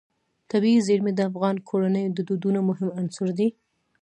طبیعي زیرمې د افغان کورنیو د دودونو مهم عنصر دی.